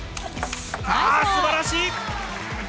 すばらしい！